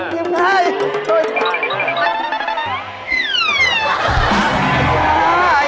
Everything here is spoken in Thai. นี่ไอ่อยู่ไหน